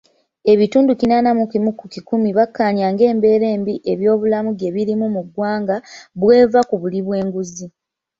Ebitundu kinaana mu kimu ku kikumi bakkaanya ng'embeera embi ebyobulamu gye birimu muggwanga, bw'eva kubuli bw'enguzi.